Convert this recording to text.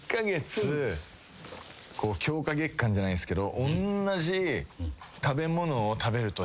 強化月間じゃないっすけど。